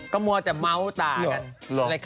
ก็มัวแต่เม้าตากัน